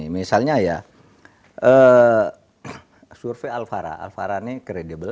misalnya ya survei alfara alfara ini kredibel